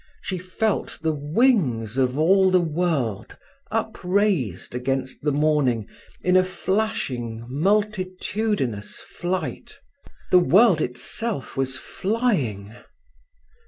She felt the wings of all the world upraised against the morning in a flashing, multitudinous flight. The world itself was flying.